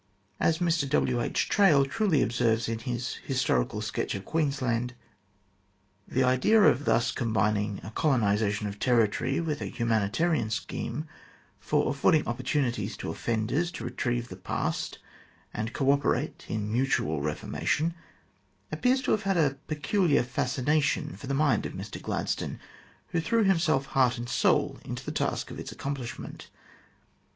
As Mr W. H. Traill truly observes in his " Historical Sketch of Queensland :" The idea of thus combining a colonisation of territory with a humanitarian scheme for affording opportunities to offenders to retrieve the past and co operate in mutual reformation, appears to have had a peculiar fascination for the mind of Mr Gladstone, who threw himself heart and soul into the task of its accomplish ment.